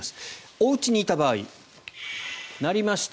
おうちにいた場合鳴りました。